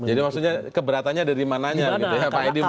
jadi maksudnya keberatannya dari mananya gitu ya pak edi mungkin bisa menjawab